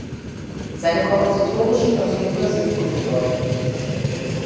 Seine kompositorischen Versuche sind unbedeutend.